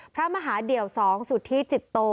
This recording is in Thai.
พระมหาเดี่ยว๒สุธิจิตโต